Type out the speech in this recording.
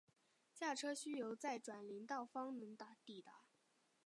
驾车需由再转林道方能抵达。